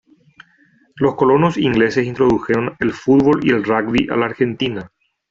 Los colonos ingleses introdujeron el fútbol y el rugby a la Argentina.